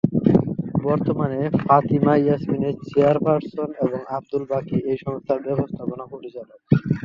বর্তমানে ফাতিমা ইয়াসমিন চেয়ারপারসন এবং আব্দুল বাকী এই সংস্থার ব্যবস্থাপনা পরিচালক।